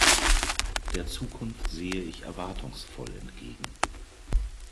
Der Zukunft sehe ich erwartungsvoll entgegen.